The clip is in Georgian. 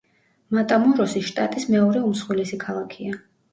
მატამოროსი შტატის მეორე უმსხვილესი ქალაქია.